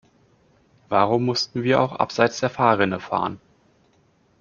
Warum mussten wir auch abseits der Fahrrinne fahren?